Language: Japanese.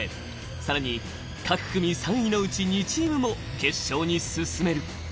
さらに各組３位のうち２チームも決勝に進める。